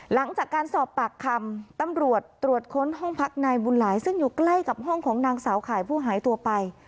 หลังจากการสอบปากคำตำรวจตรวจค้นห้องพักนายบุญหลายซึ่งอยู่ใกล้กับห้องของนางสาวข่ายผู้หายตัวไป